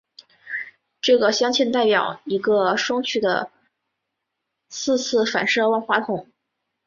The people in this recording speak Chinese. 这个镶嵌代表一个双曲的四次反射万花筒。